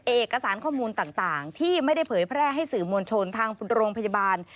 เอกสารข้อมูลต่างที่ไม่ได้เผยแพร่ให้สื่อมวลชนทางโรงพยาบาล